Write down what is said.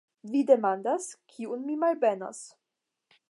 Vi demandas, kiun mi malbenas!